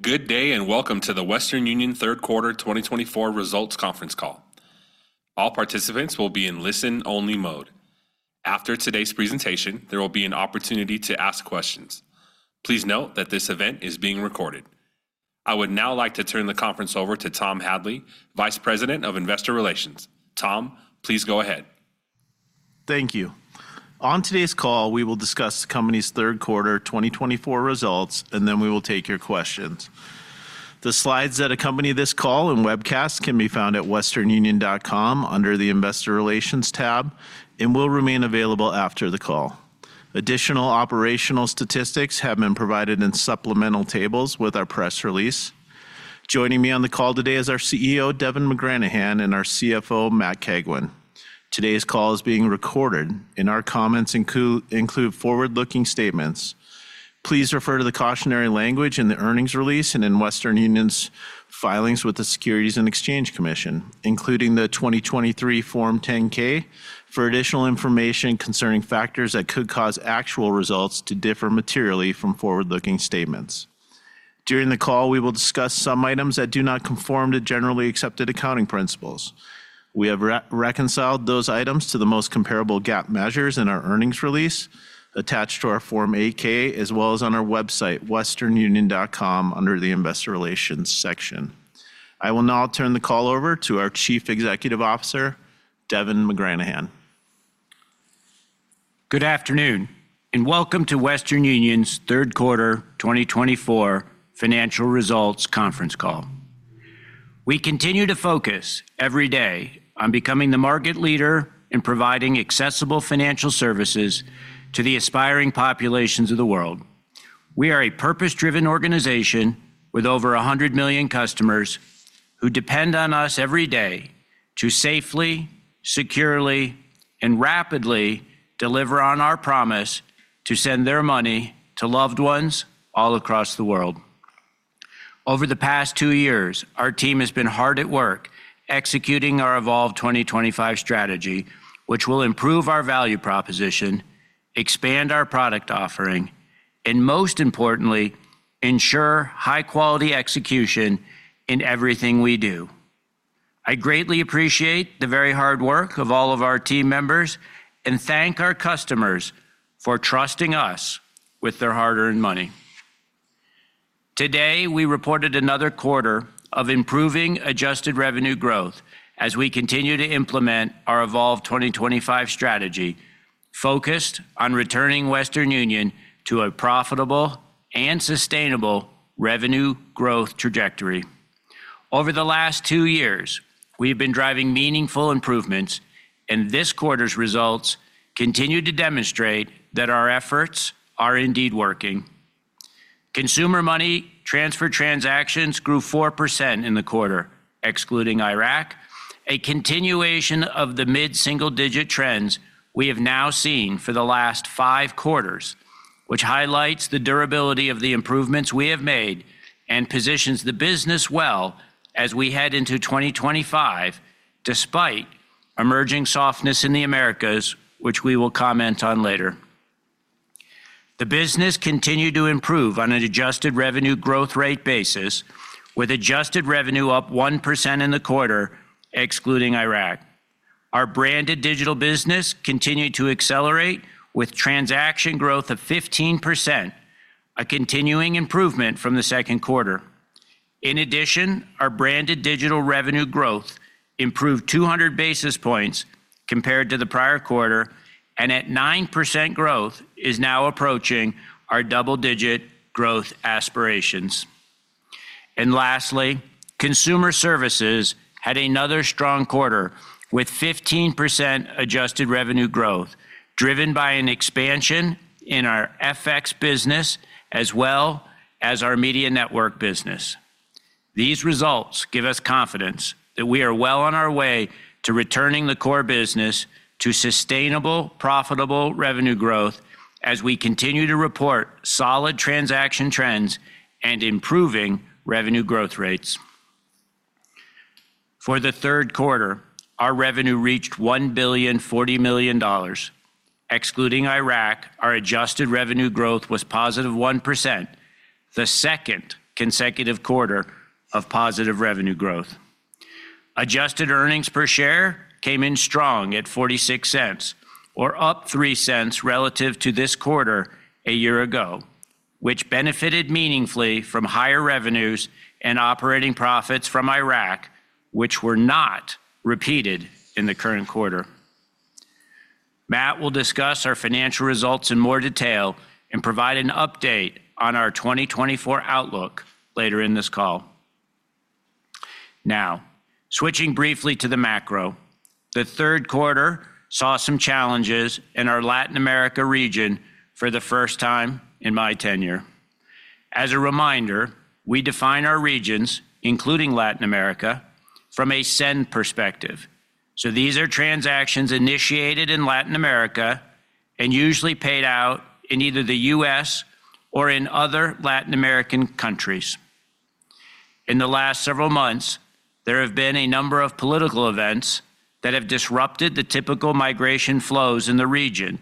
Good day, and welcome to the Western Union third quarter 2024 Results Conference Call. All participants will be in listen-only mode. After today's presentation, there will be an opportunity to ask questions. Please note that this event is being recorded. I would now like to turn the conference over to Tom Hadley, Vice President of Investor Relations. Tom, please go ahead. Thank you. On today's call, we will discuss the company's third quarter 2024 results, and then we will take your questions. The slides that accompany this call and webcast can be found at westernunion.com under the Investor Relations tab and will remain available after the call. Additional operational statistics have been provided in supplemental tables with our press release. Joining me on the call today is our CEO, Devin McGranahan, and our CFO, Matt Cagwin. Today's call is being recorded, and our comments include forward-looking statements. Please refer to the cautionary language in the earnings release and in Western Union's filings with the Securities and Exchange Commission, including the 2023 Form 10-K, for additional information concerning factors that could cause actual results to differ materially from forward-looking statements. During the call, we will discuss some items that do not conform to generally accepted accounting principles. We have reconciled those items to the most comparable GAAP measures in our earnings release attached to our Form 8-K, as well as on our website, westernunion.com, under the Investor Relations section. I will now turn the call over to our Chief Executive Officer, Devin McGranahan. Good afternoon, and welcome to Western Union's third quarter 2024 financial results conference call. We continue to focus every day on becoming the market leader in providing accessible financial services to the aspiring populations of the world. We are a purpose-driven organization with over 100 million customers who depend on us every day to safely, securely, and rapidly deliver on our promise to send their money to loved ones all across the world. Over the past two years, our team has been hard at work executing our Evolve 2025 strategy, which will improve our value proposition, expand our product offering, and most importantly, ensure high-quality execution in everything we do. I greatly appreciate the very hard work of all of our team members and thank our customers for trusting us with their hard-earned money. Today, we reported another quarter of improving adjusted revenue growth as we continue to implement our Evolve 2025 strategy, focused on returning Western Union to a profitable and sustainable revenue growth trajectory. Over the last two years, we've been driving meaningful improvements, and this quarter's results continue to demonstrate that our efforts are indeed working. Consumer money transfer transactions grew 4% in the quarter, excluding Iraq, a continuation of the mid-single-digit trends we have now seen for the last five quarters, which highlights the durability of the improvements we have made and positions the business well as we head into 2025, despite emerging softness in the Americas, which we will comment on later. The business continued to improve on an adjusted revenue growth rate basis, with adjusted revenue up 1% in the quarter, excluding Iraq. Our branded digital business continued to accelerate with transaction growth of 15%, a continuing improvement from the second quarter. In addition, our branded digital revenue growth improved 200 basis points compared to the prior quarter, and at 9% growth, is now approaching our double-digit growth aspirations. And lastly, consumer services had another strong quarter, with 15% adjusted revenue growth, driven by an expansion in our FX business as well as our media network business. These results give us confidence that we are well on our way to returning the core business to sustainable, profitable revenue growth as we continue to report solid transaction trends and improving revenue growth rates. For the third quarter, our revenue reached $1.04 billion. Excluding Iraq, our adjusted revenue growth was positive 1%, the second consecutive quarter of positive revenue growth. Adjusted earnings per share came in strong at $0.46, or up $0.03 relative to this quarter a year ago, which benefited meaningfully from higher revenues and operating profits from Iraq, which were not repeated in the current quarter. Matt will discuss our financial results in more detail and provide an update on our 2024 outlook later in this call. Now, switching briefly to the macro, the third quarter saw some challenges in our Latin America region for the first time in my tenure. As a reminder, we define our regions, including Latin America, from a send perspective. So these are transactions initiated in Latin America and usually paid out in either the U.S. or in other Latin American countries. In the last several months, there have been a number of political events that have disrupted the typical migration flows in the region....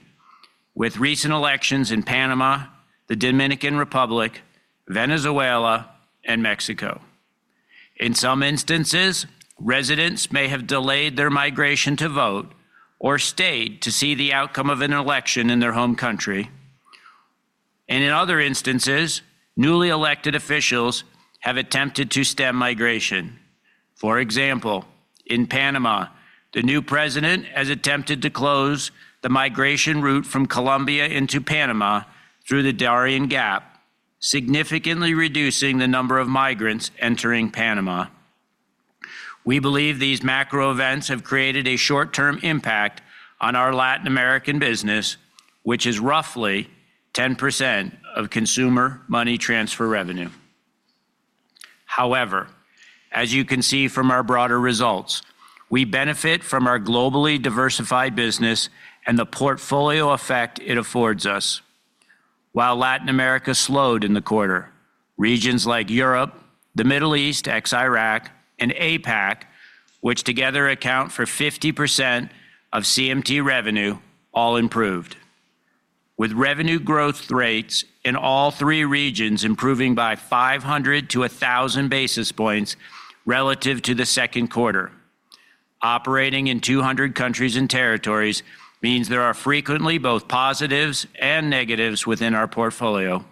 With recent elections in Panama, the Dominican Republic, Venezuela, and Mexico. In some instances, residents may have delayed their migration to vote or stayed to see the outcome of an election in their home country, and in other instances, newly elected officials have attempted to stem migration. For example, in Panama, the new president has attempted to close the migration route from Colombia into Panama through the Darien Gap, significantly reducing the number of migrants entering Panama. We believe these macro events have created a short-term impact on our Latin American business, which is roughly 10% of consumer money transfer revenue. However, as you can see from our broader results, we benefit from our globally diversified business and the portfolio effect it affords us. While Latin America slowed in the quarter, regions like Europe, the Middle East, ex-Iraq, and APAC, which together account for 50% of CMT revenue, all improved. With revenue growth rates in all three regions improving by 500 to 1,000 basis points relative to the second quarter. Operating in 200 countries and territories means there are frequently both positives and negatives within our portfolio.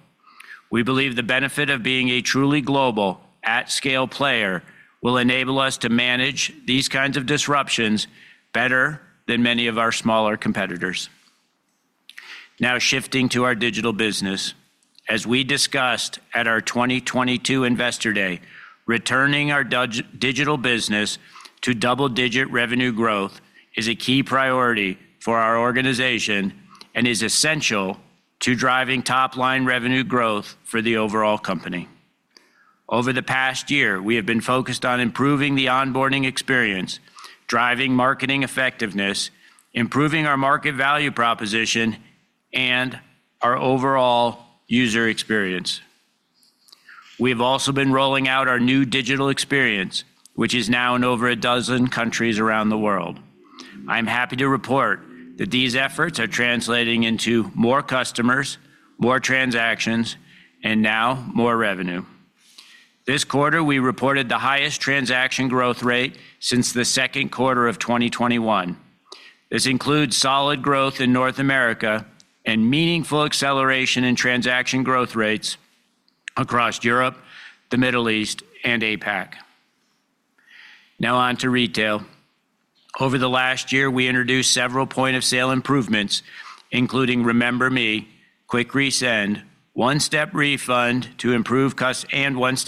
We believe the benefit of being a truly global, at-scale player will enable us to manage these kinds of disruptions better than many of our smaller competitors. Now, shifting to our digital business. As we discussed at our 2022 Investor Day, returning our digital business to double-digit revenue growth is a key priority for our organization and is essential to driving top-line revenue growth for the overall company. Over the past year, we have been focused on improving the onboarding experience, driving marketing effectiveness, improving our market value proposition, and our overall user experience. We have also been rolling out our new digital experience, which is now in over a dozen countries around the world. I'm happy to report that these efforts are translating into more customers, more transactions, and now more revenue. This quarter, we reported the highest transaction growth rate since the second quarter of 2021. This includes solid growth in North America and meaningful acceleration in transaction growth rates across Europe, the Middle East, and APAC. Now on to retail. Over the last year, we introduced several point-of-sale improvements, including Remember Me, Quick Resend, One-Step Refund to improve customer and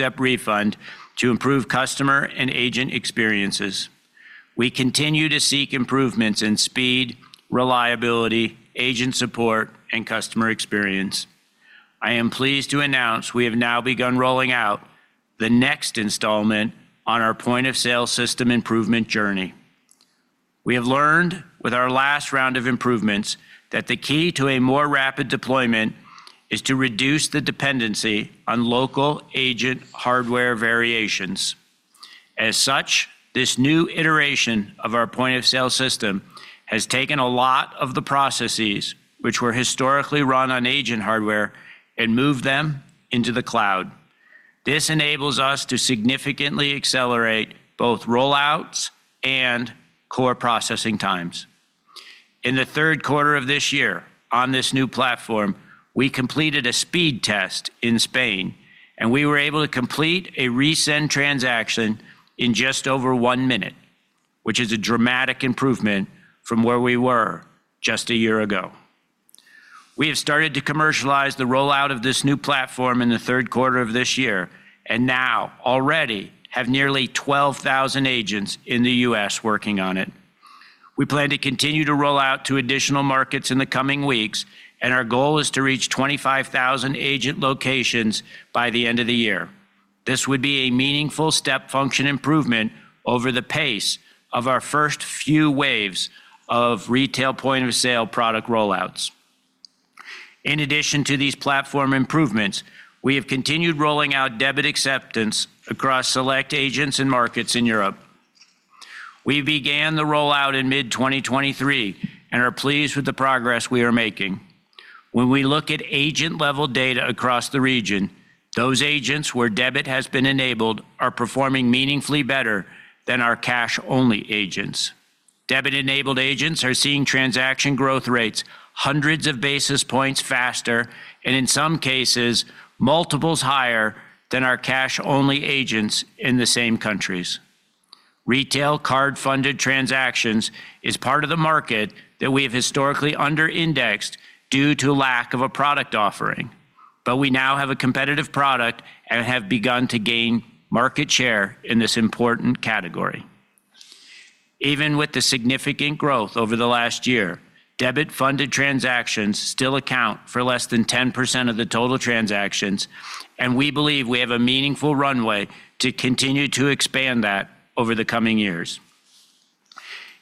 agent experiences. We continue to seek improvements in speed, reliability, agent support, and customer experience. I am pleased to announce we have now begun rolling out the next installment on our point-of-sale system improvement journey. We have learned with our last round of improvements that the key to a more rapid deployment is to reduce the dependency on local agent hardware variations. As such, this new iteration of our point-of-sale system has taken a lot of the processes which were historically run on agent hardware and moved them into the cloud. This enables us to significantly accelerate both rollouts and core processing times. In the third quarter of this year, on this new platform, we completed a speed test in Spain, and we were able to complete a resend transaction in just over one minute, which is a dramatic improvement from where we were just a year ago. We have started to commercialize the rollout of this new platform in the third quarter of this year, and now already have nearly 12,000 agents in the U.S. working on it. We plan to continue to roll out to additional markets in the coming weeks, and our goal is to reach 25,000 agent locations by the end of the year. This would be a meaningful step function improvement over the pace of our first few waves of retail point-of-sale product rollouts. In addition to these platform improvements, we have continued rolling out debit acceptance across select agents and markets in Europe. We began the rollout in mid-2023 and are pleased with the progress we are making. When we look at agent-level data across the region, those agents where debit has been enabled are performing meaningfully better than our cash-only agents. Debit-enabled agents are seeing transaction growth rates hundreds of basis points faster, and in some cases, multiples higher than our cash-only agents in the same countries. Retail card-funded transactions is part of the market that we have historically under-indexed due to lack of a product offering, but we now have a competitive product and have begun to gain market share in this important category. Even with the significant growth over the last year, debit-funded transactions still account for less than 10% of the total transactions, and we believe we have a meaningful runway to continue to expand that over the coming years.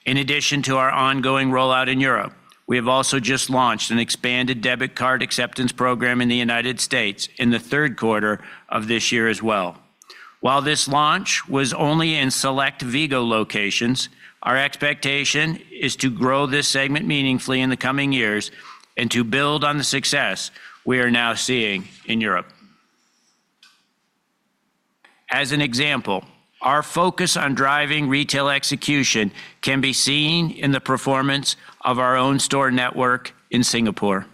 In addition to our ongoing rollout in Europe, we have also just launched an expanded debit card acceptance program in the United States in the third quarter of this year as well. While this launch was only in select Vigo locations, our expectation is to grow this segment meaningfully in the coming years and to build on the success we are now seeing in Europe. As an example, our focus on driving retail execution can be seen in the performance of our own store network in Singapore.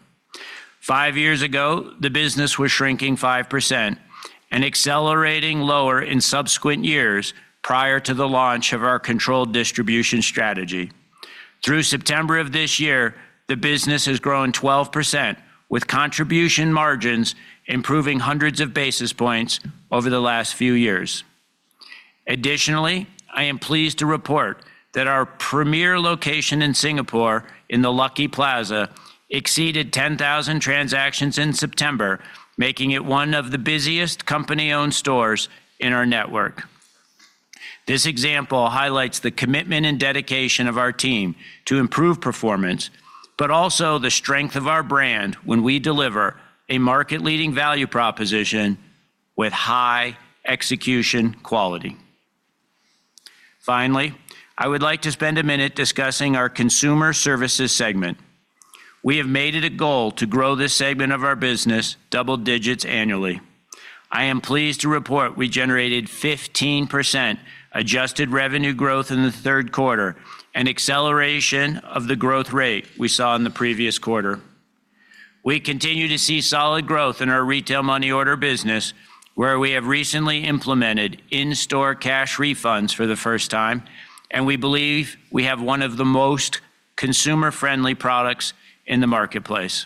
Five years ago, the business was shrinking 5% and accelerating lower in subsequent years prior to the launch of our controlled distribution strategy. Through September of this year, the business has grown 12%, with contribution margins improving hundreds of basis points over the last few years. Additionally, I am pleased to report that our premier location in Singapore, in the Lucky Plaza, exceeded 10,000 transactions in September, making it one of the busiest company-owned stores in our network. This example highlights the commitment and dedication of our team to improve performance, but also the strength of our brand when we deliver a market-leading value proposition with high execution quality. Finally, I would like to spend a minute discussing our consumer services segment. We have made it a goal to grow this segment of our business double digits annually. I am pleased to report we generated 15% adjusted revenue growth in the third quarter, an acceleration of the growth rate we saw in the previous quarter. We continue to see solid growth in our retail money order business, where we have recently implemented in-store cash refunds for the first time, and we believe we have one of the most consumer-friendly products in the marketplace.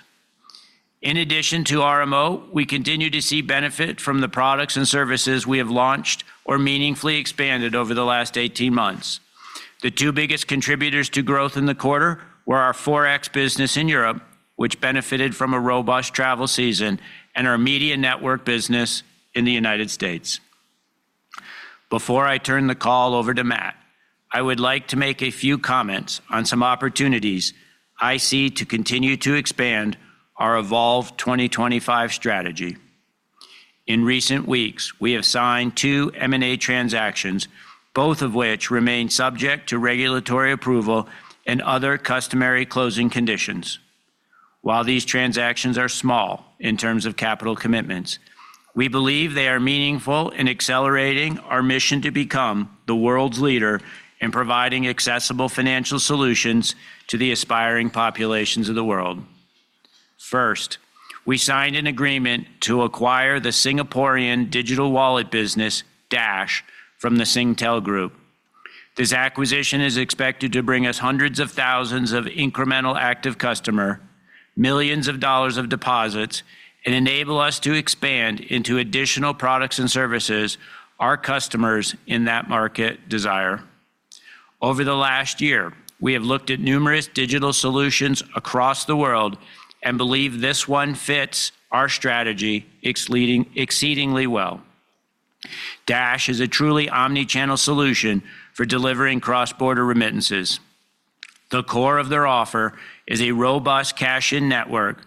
In addition to RMO, we continue to see benefit from the products and services we have launched or meaningfully expanded over the last eighteen months. The two biggest contributors to growth in the quarter were our Forex business in Europe, which benefited from a robust travel season, and our media network business in the United States. Before I turn the call over to Matt, I would like to make a few comments on some opportunities I see to continue to expand our Evolve 2025 strategy. In recent weeks, we have signed two M&A transactions, both of which remain subject to regulatory approval and other customary closing conditions. While these transactions are small in terms of capital commitments, we believe they are meaningful in accelerating our mission to become the world's leader in providing accessible financial solutions to the aspiring populations of the world. First, we signed an agreement to acquire the Singaporean digital wallet business, Dash, from the Singtel Group. This acquisition is expected to bring us hundreds of thousands of incremental active customer, millions of dollars of deposits, and enable us to expand into additional products and services our customers in that market desire. Over the last year, we have looked at numerous digital solutions across the world and believe this one fits our strategy exceedingly well. Dash is a truly omni-channel solution for delivering cross-border remittances. The core of their offer is a robust cash-in network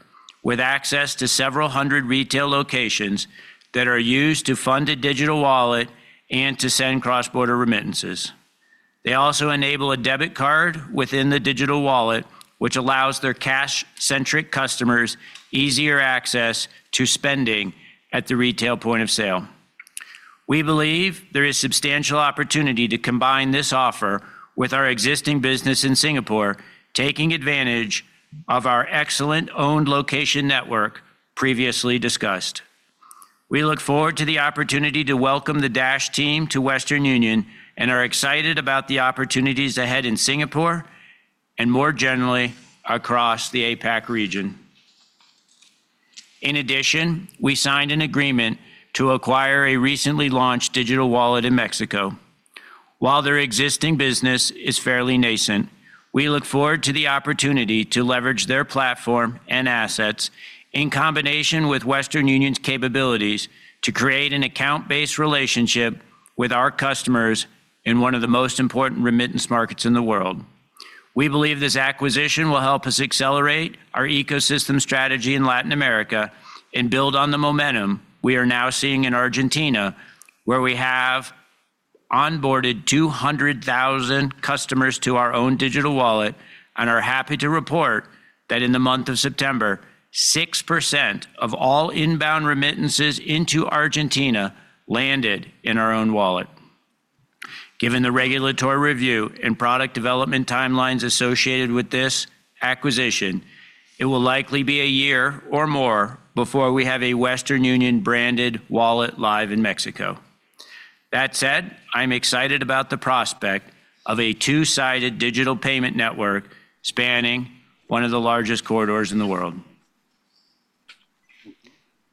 with access to several hundred retail locations that are used to fund a digital wallet and to send cross-border remittances. They also enable a debit card within the digital wallet, which allows their cash-centric customers easier access to spending at the retail point of sale. We believe there is substantial opportunity to combine this offer with our existing business in Singapore, taking advantage of our excellent owned location network previously discussed. We look forward to the opportunity to welcome the Dash team to Western Union and are excited about the opportunities ahead in Singapore and more generally, across the APAC region. In addition, we signed an agreement to acquire a recently launched digital wallet in Mexico. While their existing business is fairly nascent, we look forward to the opportunity to leverage their platform and assets in combination with Western Union's capabilities, to create an account-based relationship with our customers in one of the most important remittance markets in the world. We believe this acquisition will help us accelerate our ecosystem strategy in Latin America and build on the momentum we are now seeing in Argentina, where we have onboarded 200,000 customers to our own digital wallet and are happy to report that in the month of September, 6% of all inbound remittances into Argentina landed in our own wallet. Given the regulatory review and product development timelines associated with this acquisition, it will likely be a year or more before we have a Western Union-branded wallet live in Mexico. That said, I'm excited about the prospect of a two-sided digital payment network spanning one of the largest corridors in the world.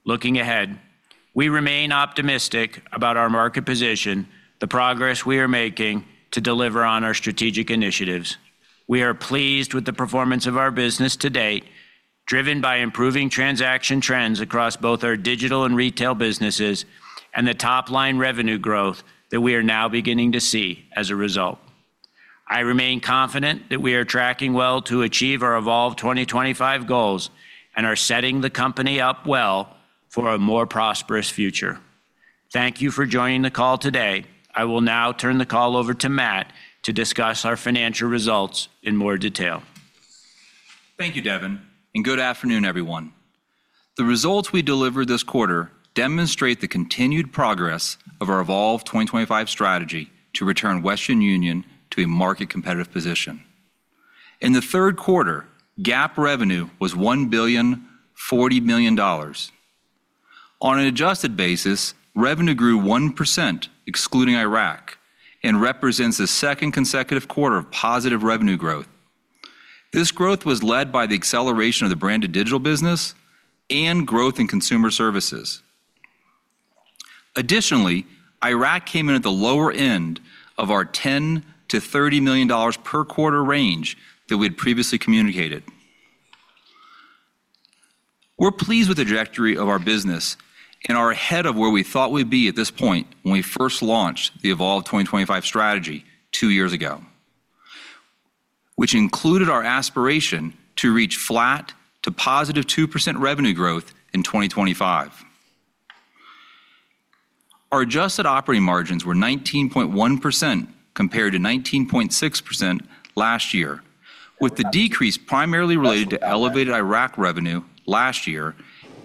Looking ahead, we remain optimistic about our market position, the progress we are making to deliver on our strategic initiatives. We are pleased with the performance of our business to date, driven by improving transaction trends across both our digital and retail businesses and the top-line revenue growth that we are now beginning to see as a result. I remain confident that we are tracking well to achieve our Evolve 2025 goals, and are setting the company up well for a more prosperous future. Thank you for joining the call today. I will now turn the call over to Matt to discuss our financial results in more detail. Thank you, Devin, and good afternoon, everyone. The results we delivered this quarter demonstrate the continued progress of our Evolve 2025 strategy to return Western Union to a market competitive position. In the third quarter, GAAP revenue was $1.04 billion. On an adjusted basis, revenue grew 1%, excluding Iraq, and represents the second consecutive quarter of positive revenue growth. This growth was led by the acceleration of the Branded Digital Business and growth in Consumer Services. Additionally, Iraq came in at the lower end of our $10 million-$30 million per quarter range that we had previously communicated. We're pleased with the trajectory of our business and are ahead of where we thought we'd be at this point when we first launched the Evolve 2025 strategy two years ago, which included our aspiration to reach flat to positive 2% revenue growth in 2025. Our adjusted operating margins were 19.1%, compared to 19.6% last year, with the decrease primarily related to elevated Iraq revenue last year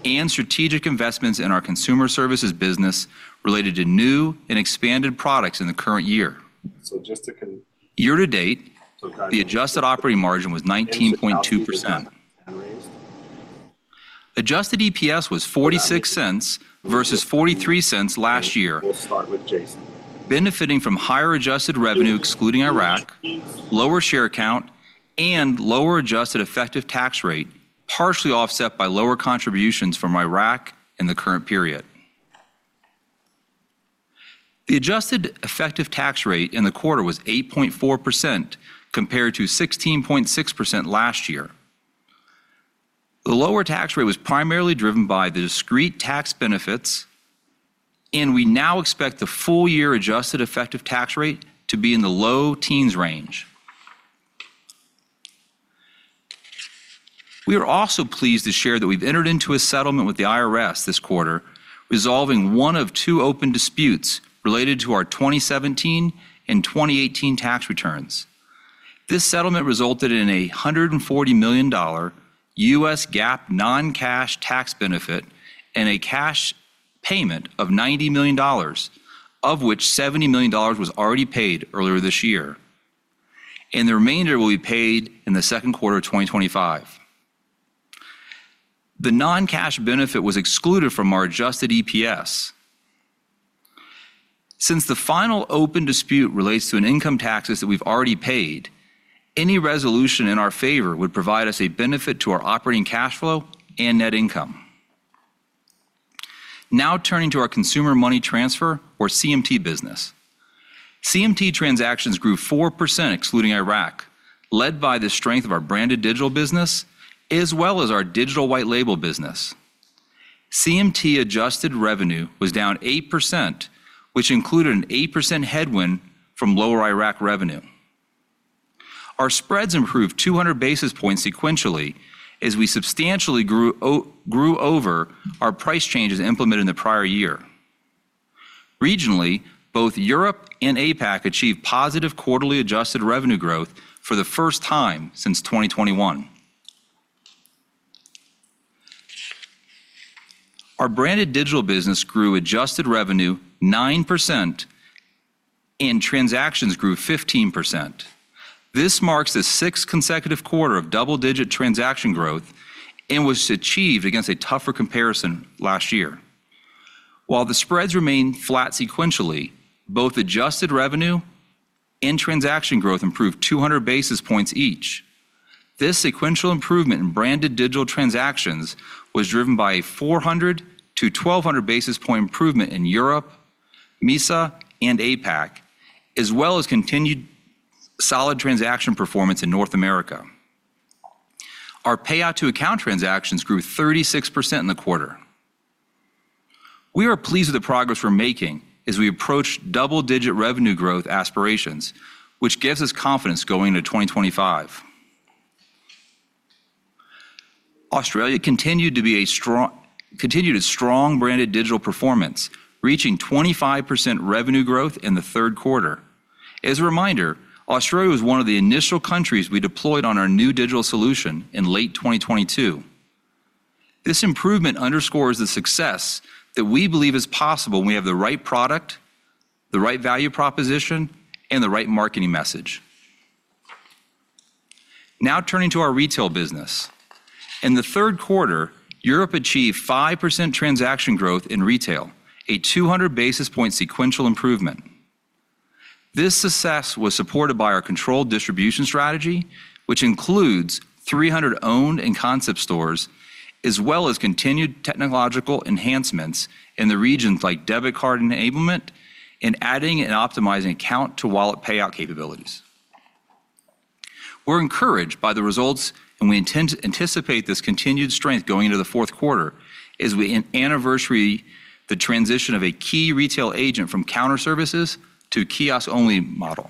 and strategic investments in our consumer services business related to new and expanded products in the current year. So just to con- Year to date, the adjusted operating margin was 19.2%. Adjusted EPS was $0.46 versus $0.43 last year- We'll start with Jason.... benefiting from higher adjusted revenue excluding Iraq, lower share count, and lower adjusted effective tax rate, partially offset by lower contributions from Iraq in the current period. The adjusted effective tax rate in the quarter was 8.4%, compared to 16.6% last year. The lower tax rate was primarily driven by the discrete tax benefits, and we now expect the full year adjusted effective tax rate to be in the low teens range. We are also pleased to share that we've entered into a settlement with the IRS this quarter, resolving one of two open disputes related to our 2017 and 2018 tax returns. This settlement resulted in a $140 million U.S. GAAP non-cash tax benefit and a cash payment of $90 million, of which $70 million was already paid earlier this year, and the remainder will be paid in the second quarter of 2025. The non-cash benefit was excluded from our adjusted EPS. Since the final open dispute relates to an income taxes that we've already paid, any resolution in our favor would provide us a benefit to our operating cash flow and net income. Now, turning to our consumer money transfer, or CMT business. CMT transactions grew 4%, excluding Iraq, led by the strength of our branded digital business, as well as our digital white label business. CMT adjusted revenue was down 8%, which included an 8% headwind from lower Iraq revenue. Our spreads improved 200 basis points sequentially as we substantially grew over our price changes implemented in the prior year. Regionally, both Europe and APAC achieved positive quarterly adjusted revenue growth for the first time since 2021. Our branded digital business grew adjusted revenue 9%, and transactions grew 15%. This marks the sixth consecutive quarter of double-digit transaction growth and was achieved against a tougher comparison last year. While the spreads remained flat sequentially, both adjusted revenue and transaction growth improved 200 basis points each. This sequential improvement in branded digital transactions was driven by a 400 to 1,200 basis point improvement in Europe, MESA, and APAC, as well as continued solid transaction performance in North America. Our payout to account transactions grew 36% in the quarter. We are pleased with the progress we're making as we approach double-digit revenue growth aspirations, which gives us confidence going into 2025. Australia continued a strong branded digital performance, reaching 25% revenue growth in the third quarter. As a reminder, Australia was one of the initial countries we deployed on our new digital solution in late 2022. This improvement underscores the success that we believe is possible when we have the right product, the right value proposition, and the right marketing message. Now, turning to our retail business. In the third quarter, Europe achieved 5% transaction growth in retail, a 200 basis points sequential improvement. This success was supported by our controlled distribution strategy, which includes 300 owned and concept stores, as well as continued technological enhancements in the regions like debit card enablement and adding and optimizing account to wallet payout capabilities. We're encouraged by the results, and we intend to anticipate this continued strength going into the fourth quarter as we anniversary the transition of a key retail agent from counter services to a kiosk-only model.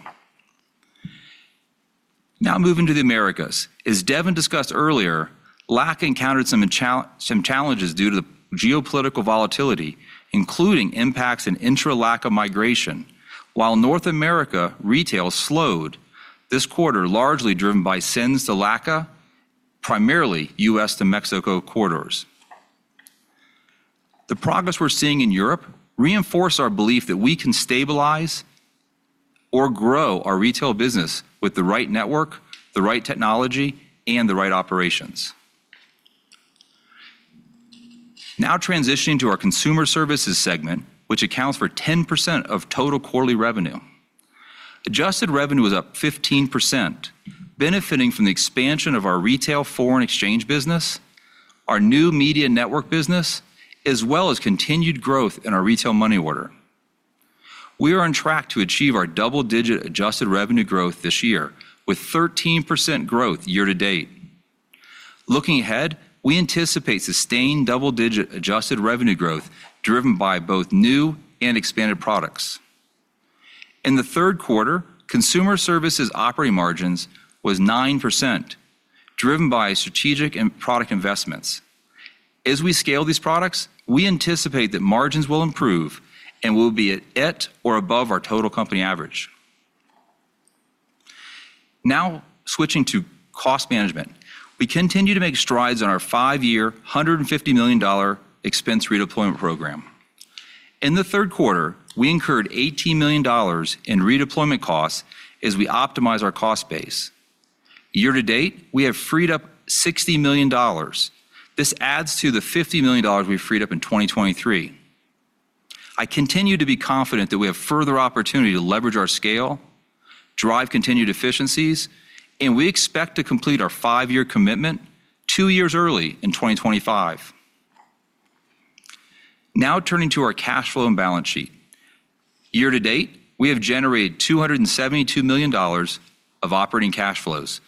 Now moving to the Americas. As Devin discussed earlier, LAC encountered some challenge, some challenges due to the geopolitical volatility, including impacts in intra-LAC migration. While North America retail slowed this quarter, largely driven by sends to LAC, primarily U.S. to Mexico corridors. The progress we're seeing in Europe reinforce our belief that we can stabilize or grow our retail business with the right network, the right technology, and the right operations. Now transitioning to our consumer services segment, which accounts for 10% of total quarterly revenue. Adjusted revenue was up 15%, benefiting from the expansion of our retail foreign exchange business, our new media network business, as well as continued growth in our retail money order. We are on track to achieve our double-digit adjusted revenue growth this year, with 13% growth year to date. Looking ahead, we anticipate sustained double-digit adjusted revenue growth driven by both new and expanded products. In the third quarter, consumer services operating margins was 9%, driven by strategic and product investments. As we scale these products, we anticipate that margins will improve and will be at or above our total company average. Now, switching to cost management. We continue to make strides on our five-year, $150 million expense redeployment program. In the third quarter, we incurred $18 million in redeployment costs as we optimize our cost base. Year to date, we have freed up $60 million. This adds to the $50 million we freed up in 2023. I continue to be confident that we have further opportunity to leverage our scale, drive continued efficiencies, and we expect to complete our five-year commitment two years early in 2025. Now, turning to our cash flow and balance sheet. Year to date, we have generated $272 million of operating cash flows,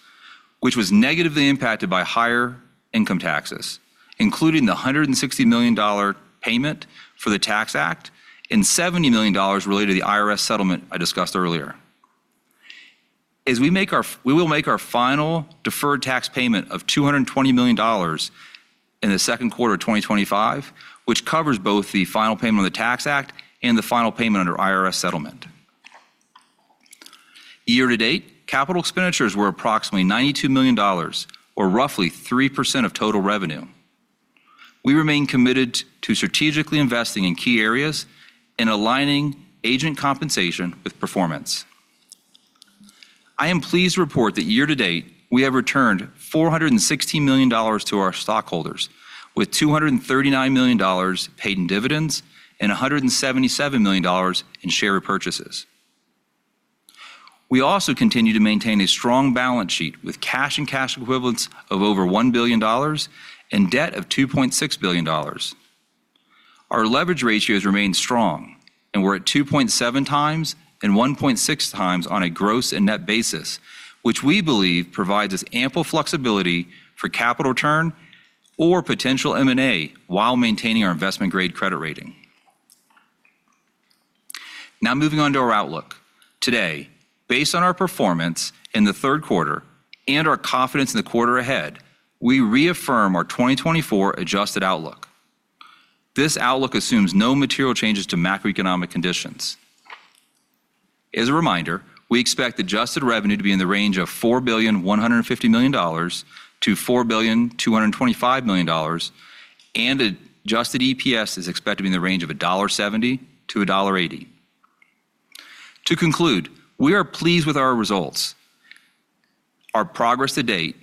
which was negatively impacted by higher income taxes, including the $160 million payment for the Tax Act and $70 million related to the IRS settlement I discussed earlier. We will make our final deferred tax payment of $220 million in the second quarter of 2025, which covers both the final payment of the Tax Act and the final payment under IRS settlement. Year to date, capital expenditures were approximately $92 million, or roughly 3% of total revenue. We remain committed to strategically investing in key areas and aligning agent compensation with performance. I am pleased to report that year to date, we have returned $416 million to our stockholders, with $239 million paid in dividends and $177 million in share repurchases. We also continue to maintain a strong balance sheet with cash and cash equivalents of over $1 billion and debt of $2.6 billion. Our leverage ratios remain strong, and we're at 2.7 times and 1.6 times on a gross and net basis, which we believe provides us ample flexibility for capital return or potential M&A while maintaining our investment-grade credit rating. Now moving on to our outlook. Today, based on our performance in the third quarter and our confidence in the quarter ahead, we reaffirm our 2024 adjusted outlook. This outlook assumes no material changes to macroeconomic conditions. As a reminder, we expect adjusted revenue to be in the range of $4.15 billion-$4.225 billion, and adjusted EPS is expected to be in the range of $1.70-$1.80. To conclude, we are pleased with our results. Our progress to date,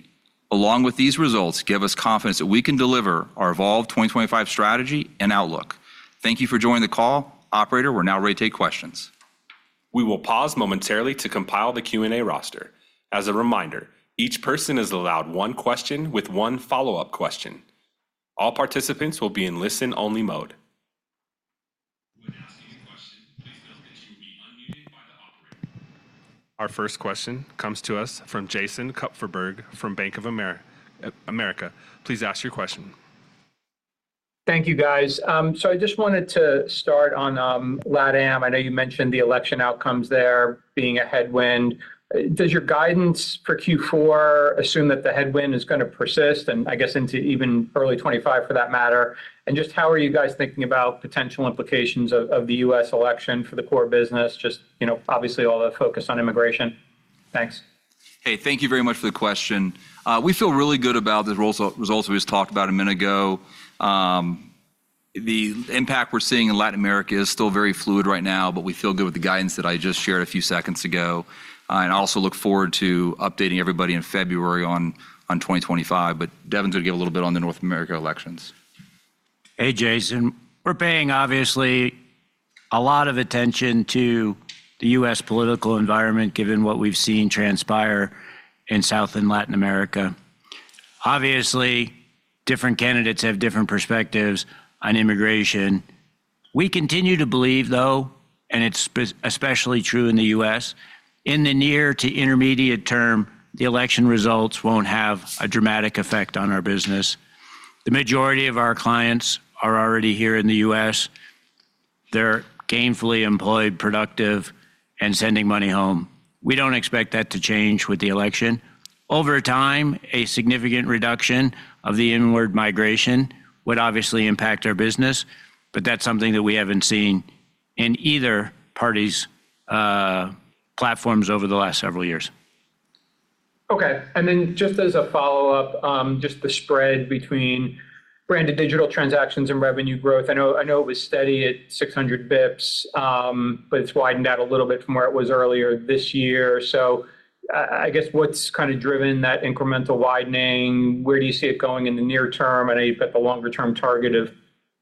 along with these results, give us confidence that we can deliver our Evolve 2025 strategy and outlook. Thank you for joining the call. Operator, we're now ready to take questions. We will pause momentarily to compile the Q&A roster. As a reminder, each person is allowed one question with one follow-up question. All participants will be in listen-only mode. Our first question comes to us from Jason Kupferberg from Bank of America. Please ask your question. Thank you, guys. So I just wanted to start on LatAm. I know you mentioned the election outcomes there being a headwind. Does your guidance for Q4 assume that the headwind is gonna persist, and I guess into even early 2025, for that matter? And just how are you guys thinking about potential implications of the U.S. election for the core business? Just, you know, obviously, all the focus on immigration. Thanks. Hey, thank you very much for the question. We feel really good about the results we just talked about a minute ago. The impact we're seeing in Latin America is still very fluid right now, but we feel good with the guidance that I just shared a few seconds ago, and I also look forward to updating everybody in February on 2025, but Devin's going to give a little bit on the North America elections. Hey, Jason. We're paying, obviously, a lot of attention to the U.S. political environment, given what we've seen transpire in South and Latin America. Obviously, different candidates have different perspectives on immigration. We continue to believe, though, and it's especially true in the U.S., in the near to intermediate term, the election results won't have a dramatic effect on our business. The majority of our clients are already here in the U.S. They're gainfully employed, productive, and sending money home. We don't expect that to change with the election. Over time, a significant reduction of the inward migration would obviously impact our business, but that's something that we haven't seen in either party's platforms over the last several years. Okay. And then just as a follow-up, just the spread between branded digital transactions and revenue growth. I know, I know it was steady at 600 basis points, but it's widened out a little bit from where it was earlier this year. So, I guess what's kind of driven that incremental widening? Where do you see it going in the near term? I know you've got the longer-term target of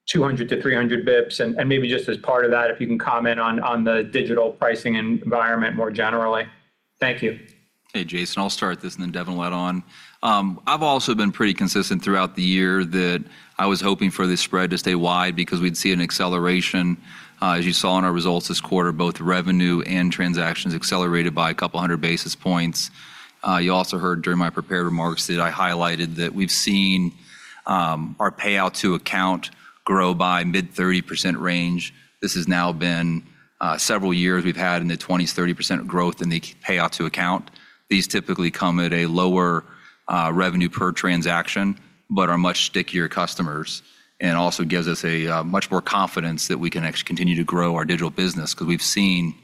200 to 300 basis points. And maybe just as part of that, if you can comment on the digital pricing environment more generally. Thank you. Hey, Jason, I'll start this, and then Devin will add on. I've also been pretty consistent throughout the year that I was hoping for this spread to stay wide because we'd see an acceleration. As you saw in our results this quarter, both revenue and transactions accelerated by a couple hundred basis points. You also heard during my prepared remarks that I highlighted that we've seen our payout to account grow by mid-30% range. This has now been several years we've had in the 20%-30% growth in the payout to account. These typically come at a lower revenue per transaction, but are much stickier customers, and also gives us much more confidence that we can actually continue to grow our digital business. Because we've seen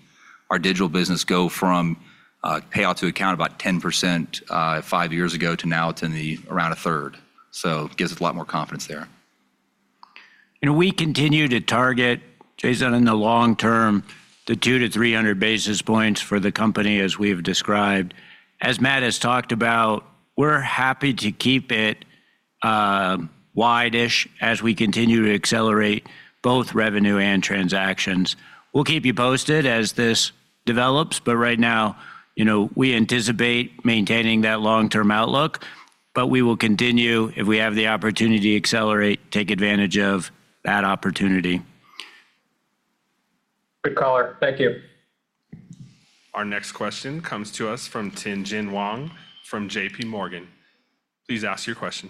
our digital business go from payout to account about 10% five years ago to now it's around a third. So it gives us a lot more confidence there. We continue to target, Jason, in the long term, the 200 to 300 basis points for the company, as we've described. As Matt has talked about, we're happy to keep it wide-ish as we continue to accelerate both revenue and transactions. We'll keep you posted as this develops, but right now, you know, we anticipate maintaining that long-term outlook. We will continue, if we have the opportunity to accelerate, take advantage of that opportunity. Good caller. Thank you. Our next question comes to us from Tien-tsin Huang from JP Morgan. Please ask your question.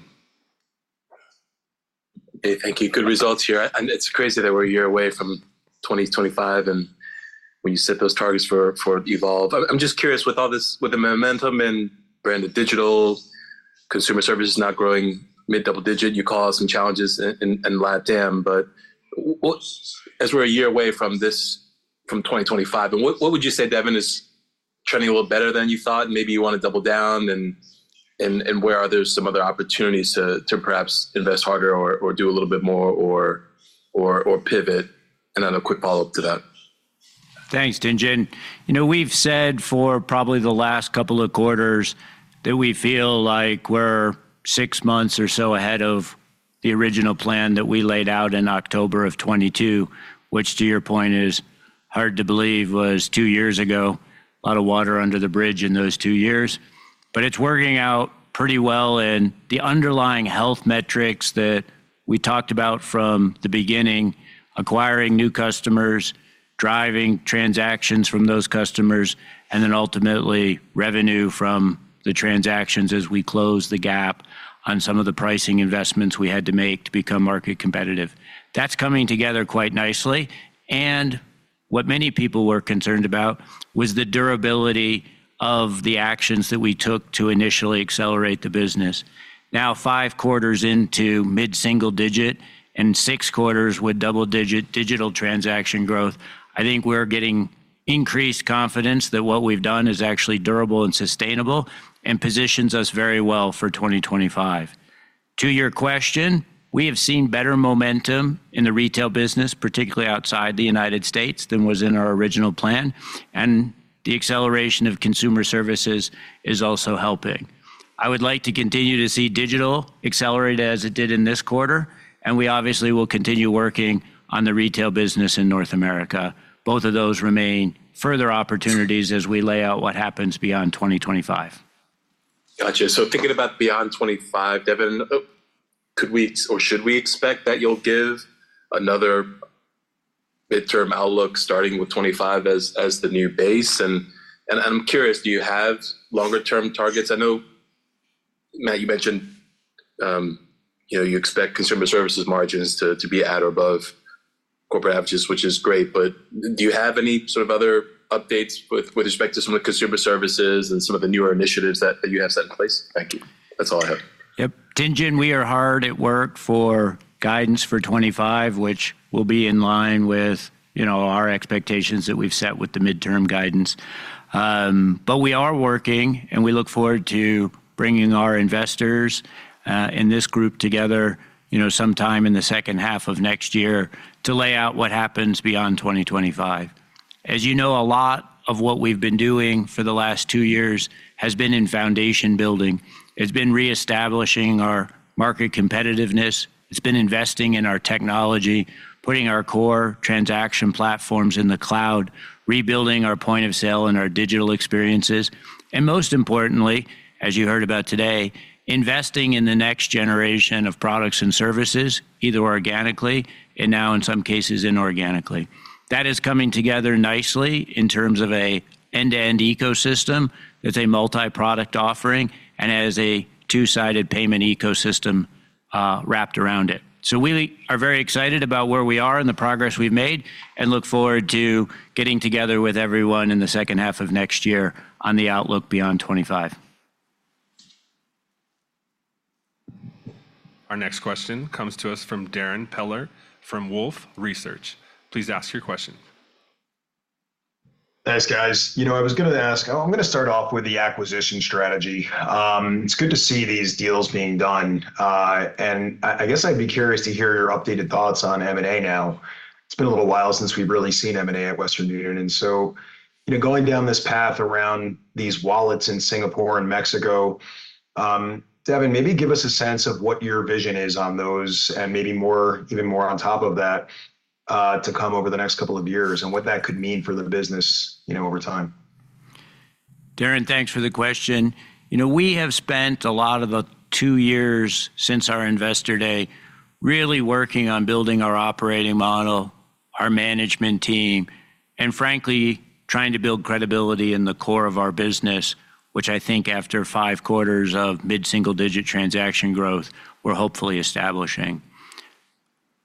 Hey, thank you. Good results here. And it's crazy that we're a year away from 2025, and when you set those targets for Evolve. I'm just curious, with all this, with the momentum in branded digital, Consumer Services is not growing mid-double digit. You call out some challenges in LatAm, but what's... As we're a year away from this, from 2025, and what would you say, Devin, is trending a little better than you thought, and maybe you want to double down? And where are there some other opportunities to perhaps invest harder or do a little bit more or pivot? And then a quick follow-up to that. Thanks, Tien-tsin. You know, we've said for probably the last couple of quarters that we feel like we're six months or so ahead of the original plan that we laid out in October of 2022, which, to your point, is hard to believe was two years ago. A lot of water under the bridge in those two years, but it's working out pretty well. And the underlying health metrics that we talked about from the beginning, acquiring new customers, driving transactions from those customers, and then ultimately revenue from the transactions as we close the gap on some of the pricing investments we had to make to become market competitive. That's coming together quite nicely. And what many people were concerned about was the durability of the actions that we took to initially accelerate the business. Now, five quarters into mid-single-digit and six quarters with double-digit digital transaction growth, I think we're getting increased confidence that what we've done is actually durable and sustainable and positions us very well for 2025. To your question, we have seen better momentum in the retail business, particularly outside the United States, than was in our original plan, and the acceleration of consumer services is also helping. I would like to continue to see digital accelerate as it did in this quarter, and we obviously will continue working on the retail business in North America. Both of those remain further opportunities as we lay out what happens beyond 2025. Gotcha. So thinking about beyond 2025, Devin, could we or should we expect that you'll give another midterm outlook, starting with 2025 as the new base? And I'm curious, do you have longer-term targets? I know, Matt, you mentioned, you know, you expect consumer services margins to be at or above corporate averages, which is great, but do you have any sort of other updates with respect to some of the consumer services and some of the newer initiatives that you have set in place? Thank you. That's all I have. Yep. Tien-tsin, we are hard at work for guidance for 2025, which will be in line with, you know, our expectations that we've set with the midterm guidance. But we are working, and we look forward to bringing our investors, and this group together, you know, sometime in the second half of next year to lay out what happens beyond 2025. As you know, a lot of what we've been doing for the last two years has been in foundation building. It's been reestablishing our market competitiveness. It's been investing in our technology, putting our core transaction platforms in the cloud, rebuilding our point of sale and our digital experiences, and most importantly, as you heard about today, investing in the next generation of products and services, either organically and now in some cases, inorganically. That is coming together nicely in terms of an end-to-end ecosystem. It's a multi-product offering and it has a two-sided payment ecosystem wrapped around it. So we are very excited about where we are and the progress we've made, and look forward to getting together with everyone in the second half of next year on the outlook beyond 2025. Our next question comes to us from Darrin Peller from Wolfe Research. Please ask your question. Thanks, guys. You know, I was gonna ask. Oh, I'm gonna start off with the acquisition strategy. It's good to see these deals being done, and I guess I'd be curious to hear your updated thoughts on M&A now. It's been a little while since we've really seen M&A at Western Union, and so, you know, going down this path around these wallets in Singapore and Mexico, Devin, maybe give us a sense of what your vision is on those, and maybe more, even more on top of that, to come over the next couple of years, and what that could mean for the business, you know, over time. Darrin, thanks for the question. You know, we have spent a lot of the two years since our Investor Day really working on building our operating model, our management team, and frankly, trying to build credibility in the core of our business, which I think after five quarters of mid-single-digit transaction growth, we're hopefully establishing.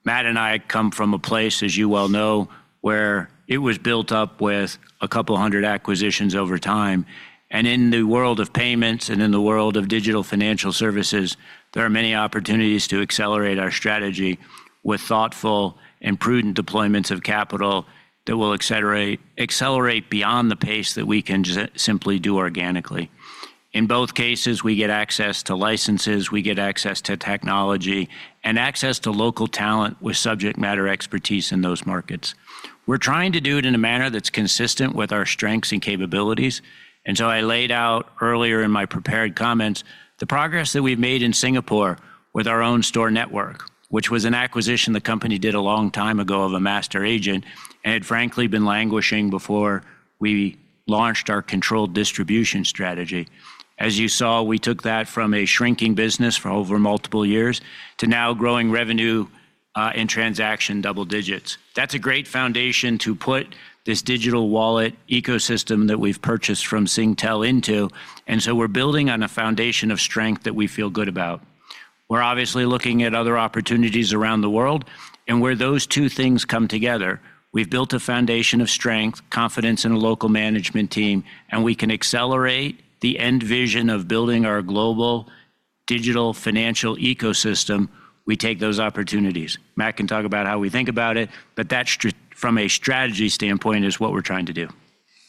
Matt and I come from a place, as you well know, where it was built up with a couple hundred acquisitions over time. And in the world of payments and in the world of digital financial services, there are many opportunities to accelerate our strategy with thoughtful and prudent deployments of capital that will accelerate beyond the pace that we can just simply do organically. In both cases, we get access to licenses, we get access to technology, and access to local talent with subject matter expertise in those markets. We're trying to do it in a manner that's consistent with our strengths and capabilities, and so I laid out earlier in my prepared comments, the progress that we've made in Singapore with our own store network, which was an acquisition the company did a long time ago of a master agent, and had frankly been languishing before we launched our controlled distribution strategy. As you saw, we took that from a shrinking business for over multiple years to now growing revenue, and transaction double digits. That's a great foundation to put this digital wallet ecosystem that we've purchased from Singtel into, and so we're building on a foundation of strength that we feel good about. We're obviously looking at other opportunities around the world, and where those two things come together, we've built a foundation of strength, confidence in a local management team, and we can accelerate the end vision of building our global digital financial ecosystem, we take those opportunities. Matt can talk about how we think about it, but that, from a strategy standpoint, is what we're trying to do.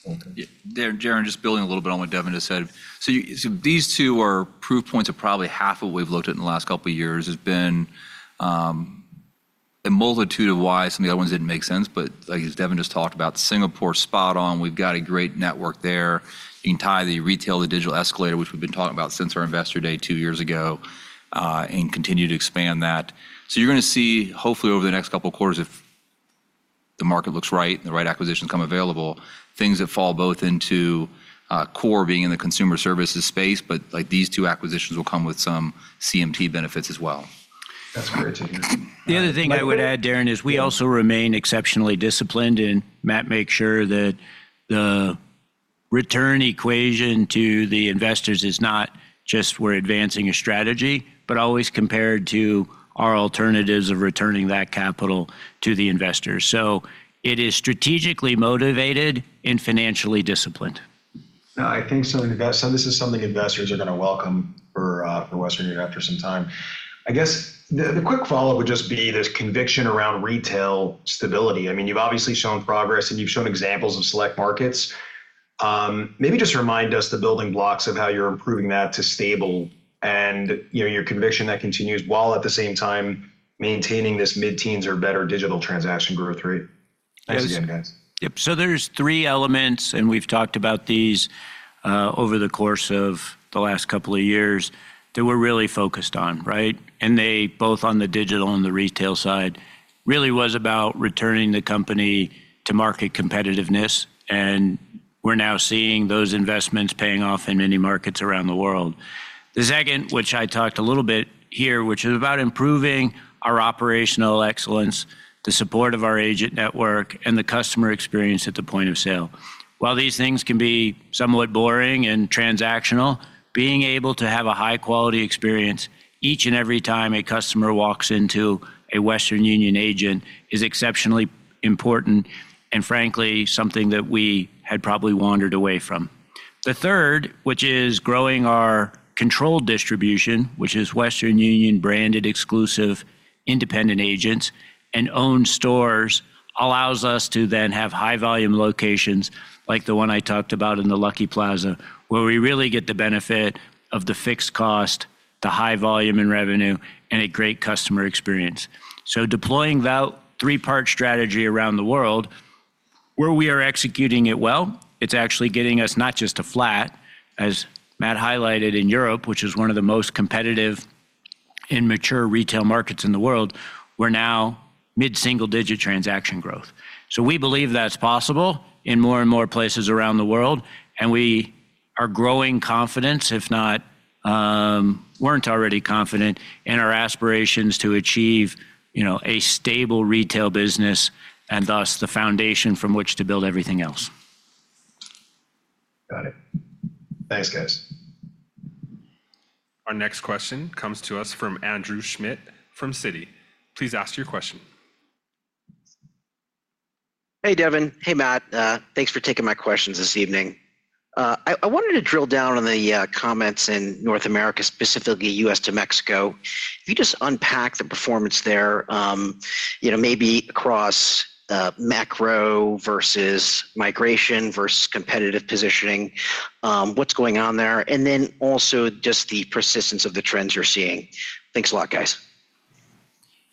Okay. Yeah. Darrin, just building a little bit on what Devin just said. So these two are proof points of probably half of what we've looked at in the last couple of years has been a multitude of why some of the other ones didn't make sense. But like, as Devin just talked about, Singapore, spot on, we've got a great network there. You can tie the retail to digital escalator, which we've been talking about since our Investor Day two years ago, and continue to expand that. So you're gonna see, hopefully over the next couple of quarters, if the market looks right and the right acquisitions come available, things that fall both into core being in the consumer services space, but like, these two acquisitions will come with some CMT benefits as well. That's great to hear. The other thing I would add, Darrin, is we also remain exceptionally disciplined, and Matt makes sure that the return equation to the investors is not just we're advancing a strategy, but always compared to our alternatives of returning that capital to the investors, so it is strategically motivated and financially disciplined. No, I think so. And so this is something investors are gonna welcome for Western Union after some time. I guess the quick follow-up would just be this conviction around retail stability. I mean, you've obviously shown progress, and you've shown examples of select markets. Maybe just remind us the building blocks of how you're improving that to stable and, you know, your conviction that continues, while at the same time, maintaining this mid-teens or better digital transaction growth rate. Thanks again, guys. Yep. So there's three elements, and we've talked about these over the course of the last couple of years, that we're really focused on, right? And they, both on the digital and the retail side, really was about returning the company to market competitiveness, and we're now seeing those investments paying off in many markets around the world. The second, which I talked a little bit here, which is about improving our operational excellence, the support of our agent network, and the customer experience at the point of sale. While these things can be somewhat boring and transactional, being able to have a high quality experience each and every time a customer walks into a Western Union agent, is exceptionally important and frankly, something that we had probably wandered away from. The third, which is growing our controlled distribution, which is Western Union-branded exclusive independent agents and owned stores, allows us to then have high volume locations like the one I talked about in the Lucky Plaza, where we really get the benefit of the high volume in revenue and a great customer experience. So deploying that three-part strategy around the world, where we are executing it well, it's actually getting us not just to flat, as Matt highlighted in Europe, which is one of the most competitive and mature retail markets in the world, we're now mid-single digit transaction growth. So we believe that's possible in more and more places around the world, and we are growing confidence, if not, weren't already confident in our aspirations to achieve, you know, a stable retail business, and thus, the foundation from which to build everything else. Got it. Thanks, guys. Our next question comes to us from Andrew Schmidt from Citi. Please ask your question. Hey, Devin. Hey, Matt. Thanks for taking my questions this evening. I wanted to drill down on the comments in North America, specifically U.S. to Mexico. Can you just unpack the performance there, you know, maybe across macro versus migration versus competitive positioning, what's going on there? And then also just the persistence of the trends you're seeing. Thanks a lot, guys.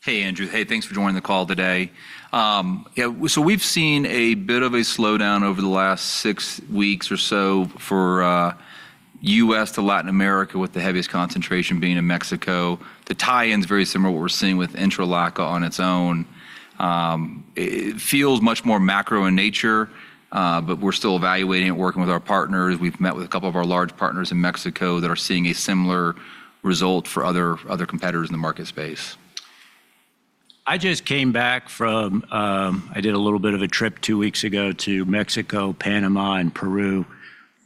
Hey, Andrew. Hey, thanks for joining the call today. Yeah, so we've seen a bit of a slowdown over the last six weeks or so for U.S. to Latin America, with the heaviest concentration being in Mexico. The tie-in is very similar to what we're seeing with Intra-LAC on its own. It feels much more macro in nature, but we're still evaluating it, working with our partners. We've met with a couple of our large partners in Mexico that are seeing a similar result for other competitors in the market space. I just came back from, I did a little bit of a trip two weeks ago to Mexico, Panama, and Peru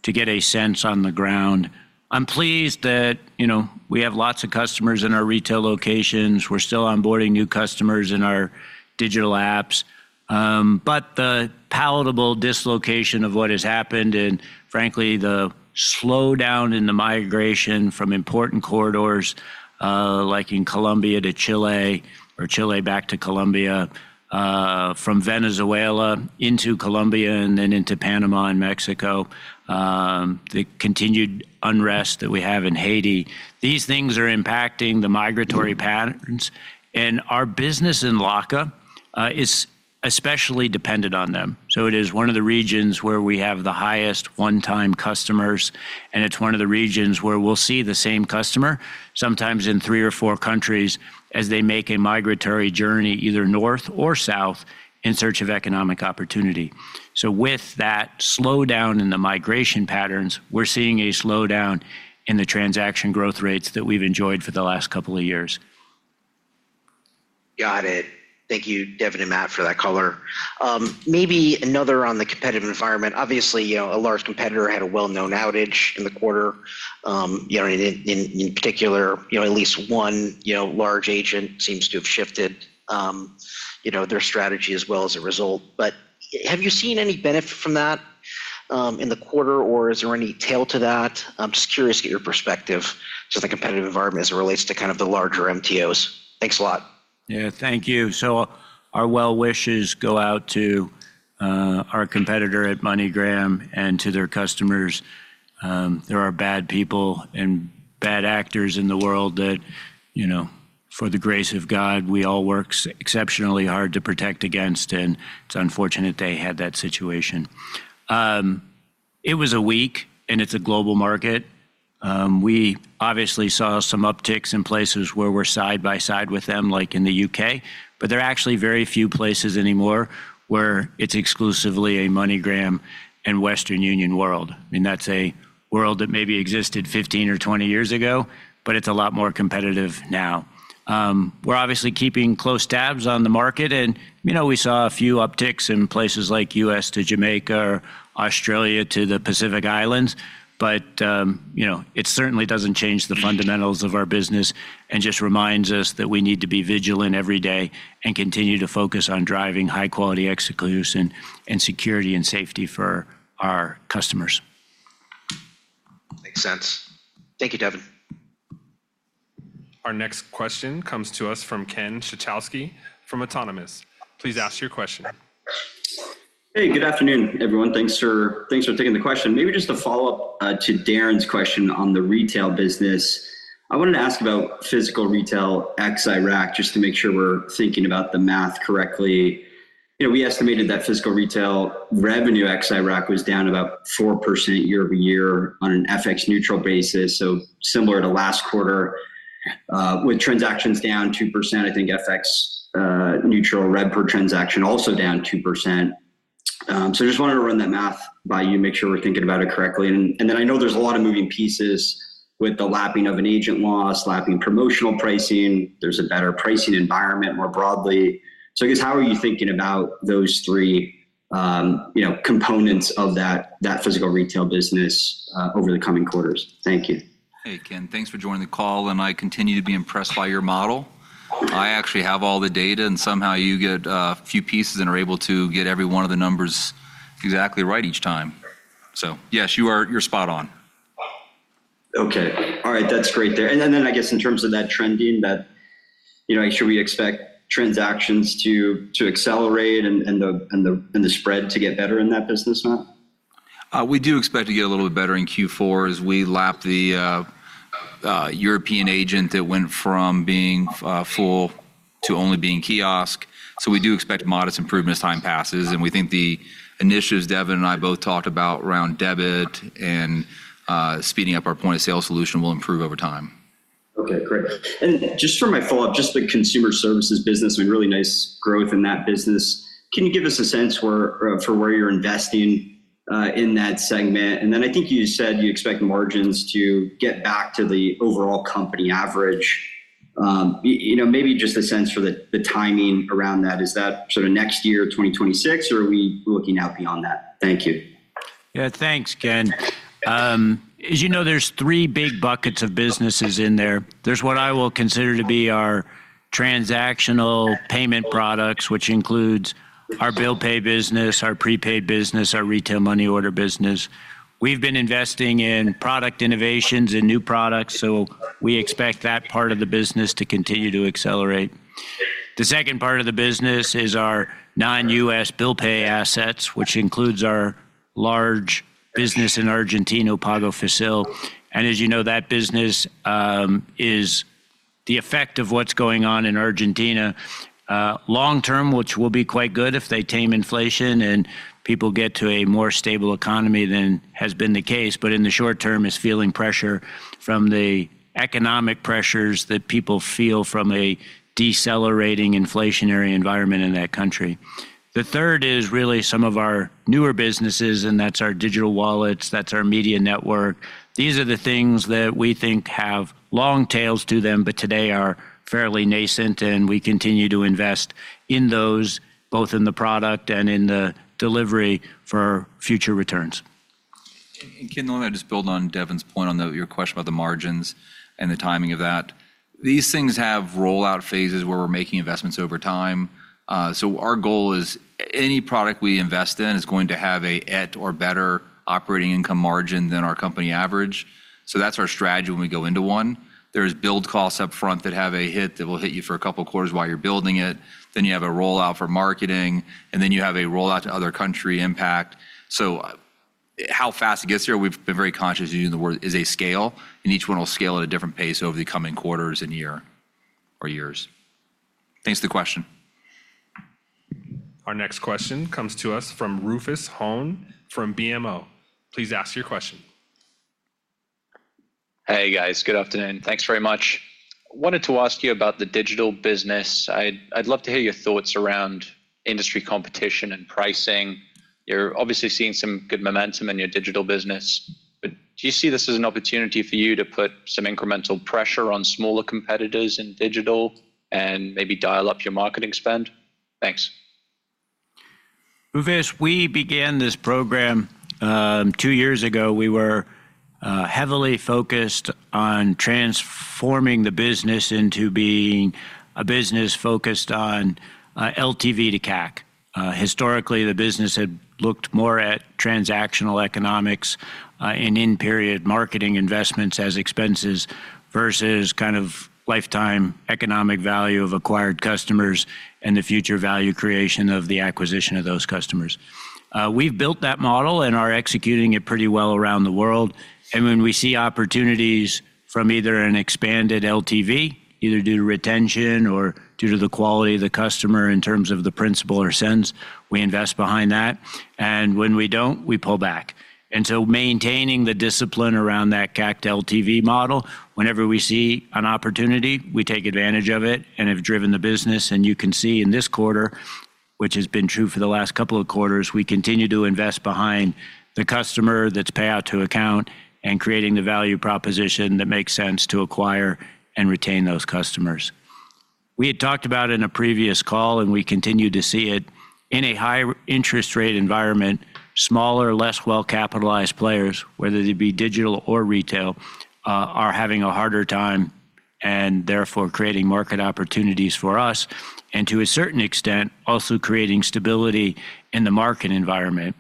to get a sense on the ground. I'm pleased that, you know, we have lots of customers in our retail locations. We're still onboarding new customers in our digital apps. But the palpable dislocation of what has happened, and frankly, the slowdown in the migration from important corridors, like in Colombia to Chile or Chile back to Colombia, from Venezuela into Colombia, and then into Panama and Mexico, the continued unrest that we have in Haiti, these things are impacting the migratory patterns, and our business in LAC is especially dependent on them. So it is one of the regions where we have the highest one-time customers, and it's one of the regions where we'll see the same customer, sometimes in three or four countries, as they make a migratory journey, either north or south, in search of economic opportunity. So with that slowdown in the migration patterns, we're seeing a slowdown in the transaction growth rates that we've enjoyed for the last couple of years. Got it. Thank you, Devin and Matt, for that color. Maybe another on the competitive environment. Obviously, you know, a large competitor had a well-known outage in the quarter. You know, in particular, you know, at least one, you know, large agent seems to have shifted, you know, their strategy as well as a result. But have you seen any benefit from that, in the quarter, or is there any tail to that? I'm just curious to get your perspective on the competitive environment as it relates to kind of the larger MTOs. Thanks a lot. Yeah, thank you. So our well wishes go out to our competitor at MoneyGram and to their customers. There are bad people and bad actors in the world that, you know, for the grace of God, we all work exceptionally hard to protect against, and it's unfortunate they had that situation. It was a week, and it's a global market. We obviously saw some upticks in places where we're side by side with them, like in the U.K., but there are actually very few places anymore where it's exclusively a MoneyGram and Western Union world. I mean, that's a world that maybe existed 15 or 20 years ago, but it's a lot more competitive now. We're obviously keeping close tabs on the market, and, you know, we saw a few upticks in places like U.S. to Jamaica or Australia to the Pacific Islands, but, you know, it certainly doesn't change the fundamentals of our business and just reminds us that we need to be vigilant every day and continue to focus on driving high-quality execution and security and safety for our customers. Makes sense. Thank you, Devin. Our next question comes to us from Ken Suchoski from Autonomous. Please ask your question. Hey, good afternoon, everyone. Thanks for taking the question. Maybe just a follow-up to Darrin's question on the retail business. I wanted to ask about physical retail ex-Iraq, just to make sure we're thinking about the math correctly. You know, we estimated that physical retail revenue, ex-Iraq, was down about 4% year-over-year on an FX-neutral basis, so similar to last quarter. With transactions down 2%, I think FX-neutral rev per transaction also down 2%. So just wanted to run that math by you, make sure we're thinking about it correctly. And then I know there's a lot of moving pieces with the lapping of an agent loss, lapping promotional pricing. There's a better pricing environment more broadly. I guess, how are you thinking about those three, you know, components of that physical retail business, over the coming quarters? Thank you. Hey, Ken, thanks for joining the call, and I continue to be impressed by your model. I actually have all the data, and somehow you get a few pieces and are able to get every one of the numbers exactly right each time. So yes, you are—you're spot on. Okay. All right, that's great there. And then, I guess in terms of that trending, that, you know, should we expect transactions to accelerate and the spread to get better in that business now?... We do expect to get a little bit better in Q4 as we lap the European agent that went from being full to only being kiosk. So we do expect modest improvement as time passes, and we think the initiatives Devin and I both talked about around debit and speeding up our point-of-sale solution will improve over time. Okay, great. And just for my follow-up, just the consumer services business, we've really nice growth in that business. Can you give us a sense where for where you're investing in that segment? And then I think you said you expect margins to get back to the overall company average. You know, maybe just a sense for the timing around that. Is that sort of next year, 2026, or are we looking out beyond that? Thank you. Yeah, thanks, Ken. As you know, there's three big buckets of businesses in there. There's what I will consider to be our transactional payment products, which includes our bill pay business, our prepaid business, our retail money order business. We've been investing in product innovations and new products, so we expect that part of the business to continue to accelerate. The second part of the business is our non-U.S. bill pay assets, which includes our large business in Argentina, Pago Fácil. And as you know, that business is the effect of what's going on in Argentina long term, which will be quite good if they tame inflation and people get to a more stable economy than has been the case. But in the short term, is feeling pressure from the economic pressures that people feel from a decelerating inflationary environment in that country. The third is really some of our newer businesses, and that's our digital wallets, that's our media network. These are the things that we think have long tails to them, but today are fairly nascent, and we continue to invest in those, both in the product and in the delivery for future returns. And Ken, let me just build on Devin's point on the, your question about the margins and the timing of that. These things have rollout phases where we're making investments over time. So our goal is any product we invest in is going to have an at or better operating income margin than our company average. So that's our strategy when we go into one. There's build costs up front that have a hit that will hit you for a couple of quarters while you're building it, then you have a rollout for marketing, and then you have a rollout to other country impact. So, how fast it gets here, we've been very conscious of using the word, is a scale, and each one will scale at a different pace over the coming quarters and year or years. Thanks for the question. Our next question comes to us from Rufus Hone from BMO. Please ask your question. Hey, guys. Good afternoon. Thanks very much. Wanted to ask you about the digital business. I'd love to hear your thoughts around industry competition and pricing. You're obviously seeing some good momentum in your digital business, but do you see this as an opportunity for you to put some incremental pressure on smaller competitors in digital and maybe dial up your marketing spend? Thanks. Rufus, we began this program two years ago. We were heavily focused on transforming the business into being a business focused on LTV to CAC. Historically, the business had looked more at transactional economics, and in-period marketing investments as expenses versus kind of lifetime economic value of acquired customers and the future value creation of the acquisition of those customers. We've built that model and are executing it pretty well around the world, and when we see opportunities from either an expanded LTV, either due to retention or due to the quality of the customer in terms of the principal or sends, we invest behind that, and when we don't, we pull back, and so maintaining the discipline around that CAC LTV model, whenever we see an opportunity, we take advantage of it and have driven the business. And you can see in this quarter, which has been true for the last couple of quarters, we continue to invest behind the customer that's payout to account and creating the value proposition that makes sense to acquire and retain those customers. We had talked about in a previous call, and we continue to see it, in a high interest rate environment, smaller, less well-capitalized players, whether they be digital or retail, are having a harder time and therefore creating market opportunities for us, and to a certain extent, also creating stability in the market environment.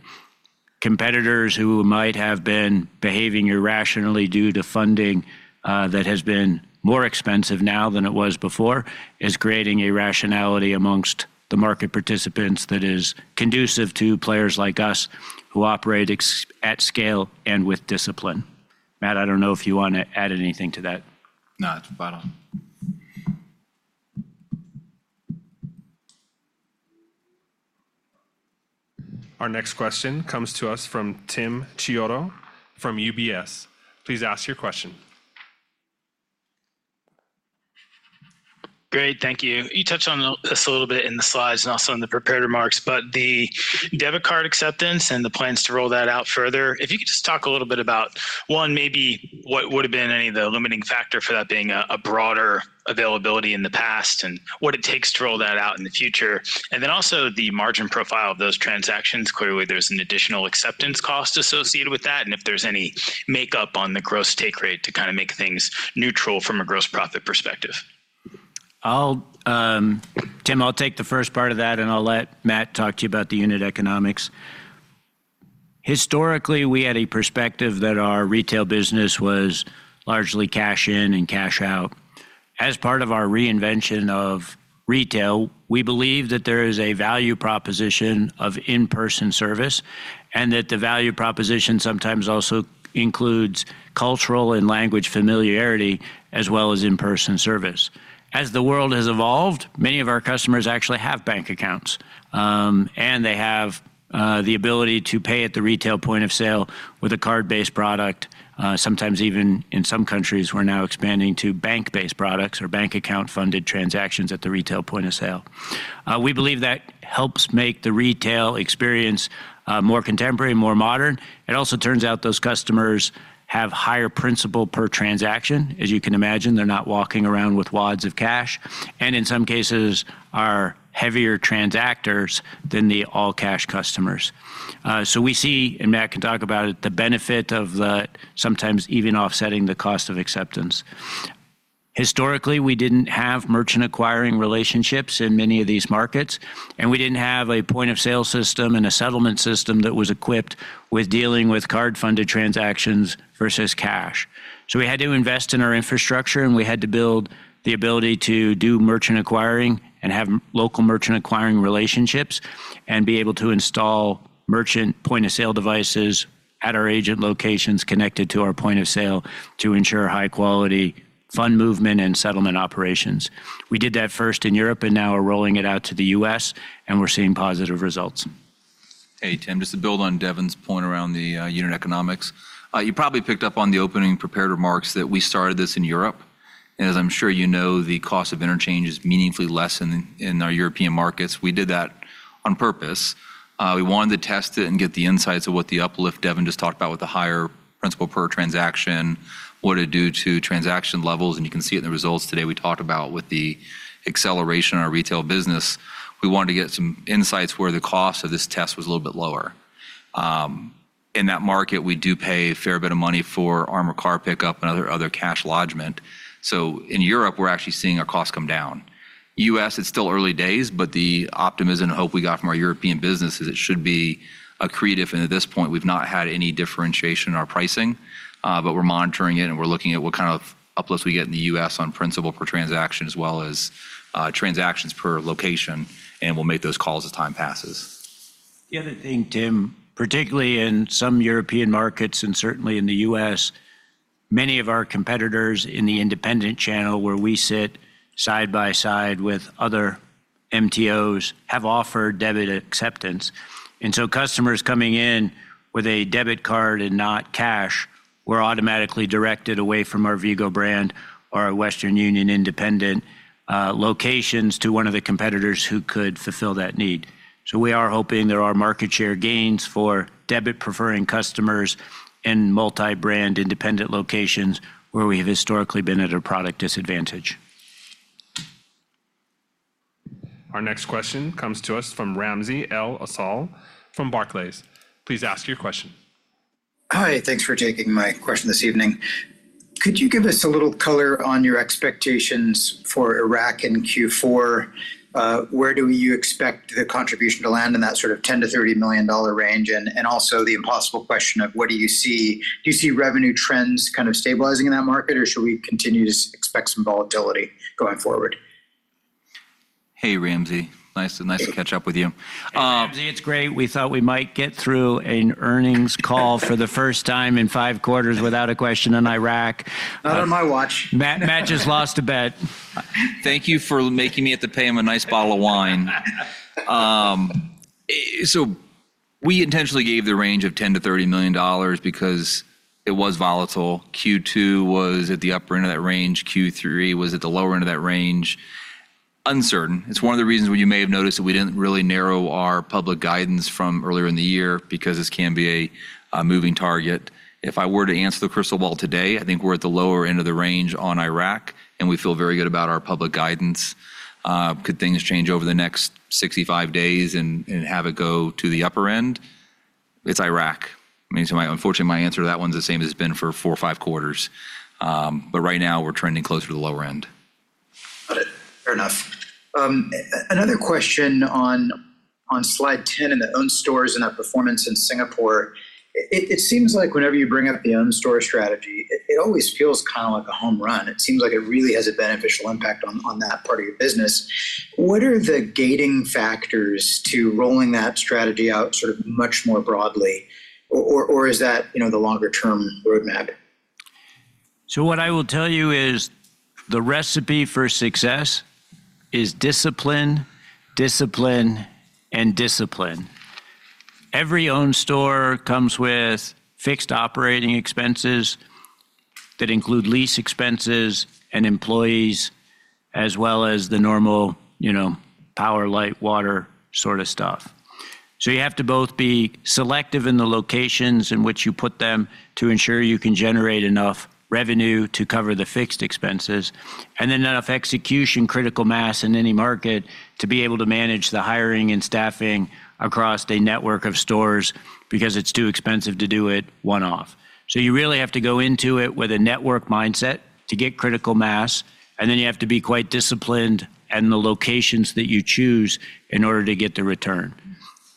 Competitors who might have been behaving irrationally due to funding that has been more expensive now than it was before is creating a rationality amongst the market participants that is conducive to players like us who operate at scale and with discipline. Matt, I don't know if you want to add anything to that. No, that's final. Our next question comes to us from Tim Chiodo from UBS. Please ask your question. Great, thank you. You touched on this a little bit in the slides and also in the prepared remarks, but the debit card acceptance and the plans to roll that out further, if you could just talk a little bit about, one, maybe what would have been any of the limiting factor for that being a, a broader availability in the past and what it takes to roll that out in the future? And then also the margin profile of those transactions. Clearly, there's an additional acceptance cost associated with that, and if there's any makeup on the gross take rate to kinda make things neutral from a gross profit perspective. I'll, Tim, I'll take the first part of that, and I'll let Matt talk to you about the unit economics. Historically, we had a perspective that our retail business was largely cash in and cash out. As part of our reinvention of retail, we believe that there is a value proposition of in-person service, and that the value proposition sometimes also includes cultural and language familiarity, as well as in-person service. As the world has evolved, many of our customers actually have bank accounts, and they have the ability to pay at the retail point of sale with a card-based product. Sometimes even in some countries, we're now expanding to bank-based products or bank account-funded transactions at the retail point of sale. We believe that helps make the retail experience more contemporary and more modern. It also turns out those customers have higher principal per transaction. As you can imagine, they're not walking around with wads of cash, and in some cases are heavier transactors than the all-cash customers. So we see, and Matt can talk about it, the benefit of the sometimes even offsetting the cost of acceptance. Historically, we didn't have merchant acquiring relationships in many of these markets, and we didn't have a point-of-sale system and a settlement system that was equipped with dealing with card-funded transactions versus cash. So we had to invest in our infrastructure, and we had to build the ability to do merchant acquiring and have local merchant acquiring relationships, and be able to install merchant point-of-sale devices at our agent locations connected to our point of sale to ensure high-quality fund movement and settlement operations. We did that first in Europe, and now we're rolling it out to the U.S., and we're seeing positive results. Hey, Tim, just to build on Devin's point around the unit economics. You probably picked up on the opening prepared remarks that we started this in Europe, and as I'm sure you know, the cost of interchange is meaningfully less in our European markets. We did that on purpose. We wanted to test it and get the insights of what the uplift Devin just talked about with the higher principal per transaction, what it'd do to transaction levels, and you can see it in the results today we talked about with the acceleration in our retail business. We wanted to get some insights where the cost of this test was a little bit lower. In that market, we do pay a fair bit of money for armored car pickup and other cash lodgment. So in Europe, we're actually seeing our costs come down. U.S., it's still early days, but the optimism and hope we got from our European business is. It should be accretive, and at this point, we've not had any differentiation in our pricing, but we're monitoring it, and we're looking at what kind of uplifts we get in the U.S. on principal per transaction, as well as transactions per location, and we'll make those calls as time passes. The other thing, Tim, particularly in some European markets and certainly in the U.S., many of our competitors in the independent channel, where we sit side by side with other MTOs, have offered debit acceptance. And so customers coming in with a debit card and not cash were automatically directed away from our Vigo brand or our Western Union independent locations to one of the competitors who could fulfill that need. So we are hoping there are market share gains for debit-preferring customers in multi-brand independent locations where we have historically been at a product disadvantage. Our next question comes to us from Ramsey El-Assal from Barclays. Please ask your question. Hi, thanks for taking my question this evening. Could you give us a little color on your expectations for Iraq in Q4? Where do you expect the contribution to land in that sort of $10 million-$30 million range? And also the impossible question of do you see revenue trends kind of stabilizing in that market, or should we continue to expect some volatility going forward? Hey, Ramsey, nice to, nice to catch up with you. Hey, Ramsey, it's great. We thought we might get through an earnings call for the first time in five quarters without a question on Iraq. Not on my watch. Matt, Matt just lost a bet. Thank you for making me have to pay him a nice bottle of wine. So we intentionally gave the range of $10-$30 million because it was volatile. Q2 was at the upper end of that range. Q3 was at the lower end of that range. Uncertain. It's one of the reasons why you may have noticed that we didn't really narrow our public guidance from earlier in the year, because this can be a moving target. If I were to answer the crystal ball today, I think we're at the lower end of the range on Iraq, and we feel very good about our public guidance. Could things change over the next 65 days and have it go to the upper end? It's Iraq. I mean, so my-- unfortunately, my answer to that one's the same as it's been for four or five quarters. But right now, we're trending closer to the lower end. Got it. Fair enough. Another question on slide 10, in the owned stores and our performance in Singapore. It seems like whenever you bring up the owned store strategy, it always feels kind of like a home run. It seems like it really has a beneficial impact on that part of your business. What are the gating factors to rolling that strategy out sort of much more broadly? Or is that, you know, the longer-term roadmap? So what I will tell you is the recipe for success is discipline, discipline, and discipline. Every owned store comes with fixed operating expenses that include lease expenses and employees, as well as the normal, you know, power, light, water sort of stuff. So you have to both be selective in the locations in which you put them to ensure you can generate enough revenue to cover the fixed expenses, and then enough execution, critical mass in any market to be able to manage the hiring and staffing across a network of stores because it's too expensive to do it one-off. So you really have to go into it with a network mindset to get critical mass, and then you have to be quite disciplined in the locations that you choose in order to get the return.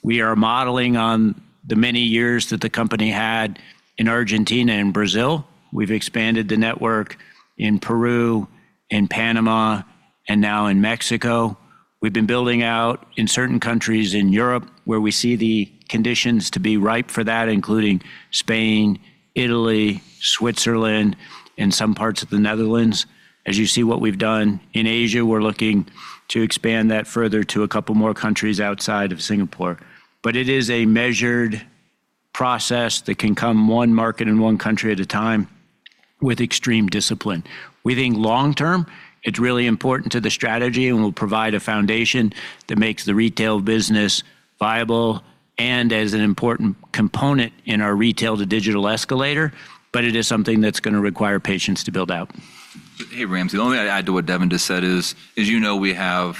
We are modeling on the many years that the company had in Argentina and Brazil. We've expanded the network in Peru, in Panama, and now in Mexico. We've been building out in certain countries in Europe where we see the conditions to be ripe for that, including Spain, Italy, Switzerland, and some parts of the Netherlands. As you see what we've done in Asia, we're looking to expand that further to a couple more countries outside of Singapore. But it is a measured process that can come one market and one country at a time with extreme discipline. We think long term, it's really important to the strategy, and will provide a foundation that makes the retail business viable and as an important component in our retail to digital escalator, but it is something that's gonna require patience to build out. Hey, Ramsey. The only thing I'd add to what Devin just said is, as you know, we have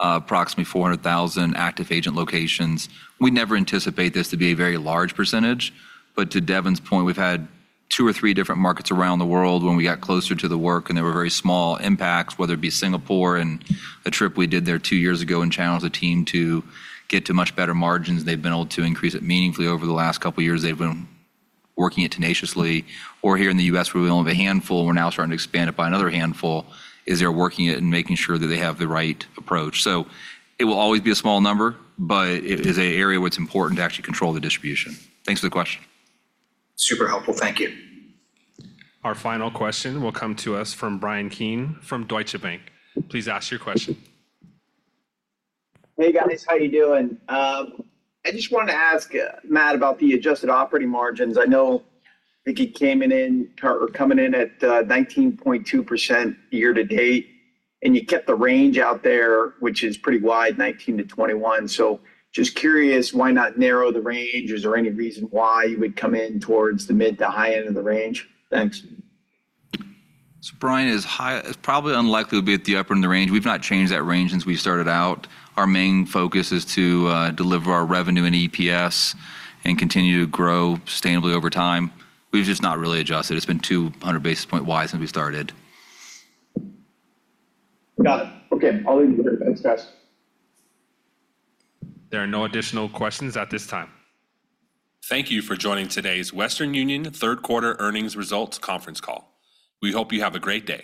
approximately 400,000 active agent locations. We never anticipate this to be a very large percentage, but to Devin's point, we've had two or three different markets around the world when we got closer to the work, and they were very small impacts, whether it be Singapore and a trip we did there two years ago and challenged the team to get to much better margins. They've been able to increase it meaningfully over the last couple of years. They've been working it tenaciously. Or here in the U.S., where we only have a handful, we're now starting to expand it by another handful, is they're working it and making sure that they have the right approach. So it will always be a small number, but it is an area where it's important to actually control the distribution. Thanks for the question. Super helpful. Thank you. Our final question will come to us from Bryan Keane from Deutsche Bank. Please ask your question. Hey, guys. How you doing? I just wanted to ask, Matt, about the adjusted operating margins. I know I think you came in in- or coming in at 19.2% year to date, and you kept the range out there, which is pretty wide, 19%-21%. So just curious, why not narrow the range? Is there any reason why you would come in towards the mid to high end of the range? Thanks. Bryan, it's probably unlikely to be at the upper end of the range. We've not changed that range since we started out. Our main focus is to deliver our revenue and EPS and continue to grow sustainably over time. We've just not really adjusted. It's been 200 basis points wide since we started. Got it. Okay, I'll leave it there. Thanks, guys. There are no additional questions at this time. Thank you for joining today's Western Union third quarter Earnings Results Conference Call. We hope you have a great day.